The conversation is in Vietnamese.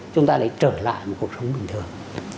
chúng ta lại trở lại một cuộc sống bình thường